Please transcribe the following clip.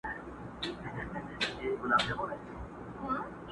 لا به تر څو د کربلا له تورو!.